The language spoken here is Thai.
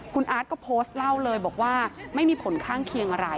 คุณอาร์ตก็โพสต์เล่าเลยบอกว่าไม่มีผลข้างเคียงอะไร